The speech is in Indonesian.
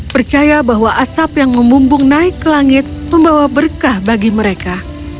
percaya bahwa asap yang membumbung naik ke langit membawa berkah bagi mereka